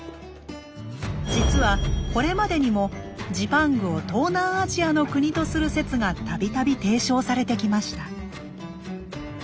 実はこれまでにもジパングを東南アジアの国とする説が度々提唱されてきました。